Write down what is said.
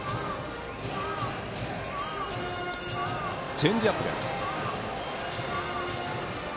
チェンジアップです。